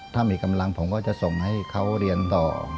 ถ้ามีกำลังผมก็จะส่งให้เขาเรียนต่อ